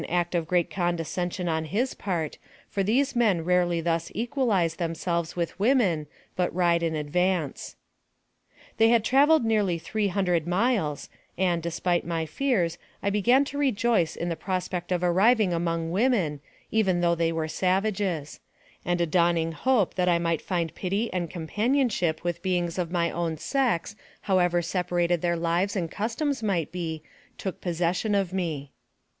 77 act of great condescension on his part, for these men rarely thus equalize themselves with women, but ride in advance. They had traveled nearly three hundred miles, and, despite my fears, I began to rejoice in the prospect of arriving among women, even though they were savages; and a dawning hope that I might find pity and com panionship with beings of my own sex, however separated their lives and customs might be, took posssesion of me.